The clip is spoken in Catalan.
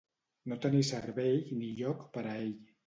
No tenir cervell ni lloc per a ell.